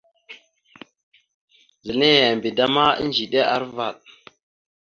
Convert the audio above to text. Zal nehe embe da ma, edziɗe aravaɗ.